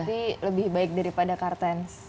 tapi lebih baik daripada kartens